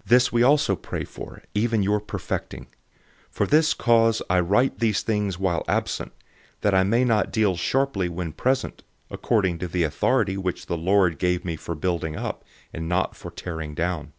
And this we also pray for, even your perfecting. 013:010 For this cause I write these things while absent, that I may not deal sharply when present, according to the authority which the Lord gave me for building up, and not for tearing down.